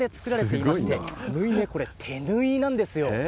縫い目、これ、手縫いなんですよ。